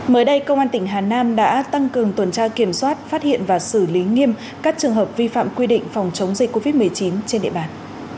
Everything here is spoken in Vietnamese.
mới đây công an tỉnh hà nam đã tăng cường tuần tra kiểm soát phát hiện và xử lý nghiêm các trường hợp vi phạm quy định phòng chống dịch covid một mươi chín trên địa bàn